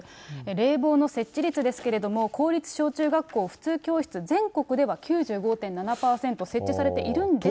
冷房の設置率ですけれども、公立小中学校、普通教室の全国では９５．７％設置されているんですが。